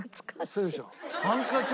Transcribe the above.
そうでしょ。